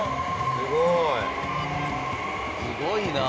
すごいな！